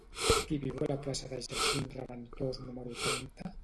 Qui viu a la plaça de Jacint Reventós número trenta?